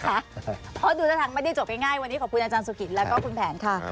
เพราะดูท่าทางไม่ได้จบง่ายวันนี้ขอบคุณอาจารย์สุกิตแล้วก็คุณแผนค่ะ